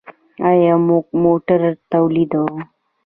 آیا موږ موټر تولیدوو؟